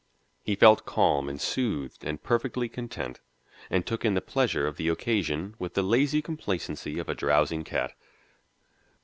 He felt calm and soothed and perfectly content, and took in the pleasure of the occasion with the lazy complacency of a drowsing cat.